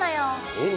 えっ？